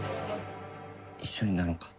一緒になろうか。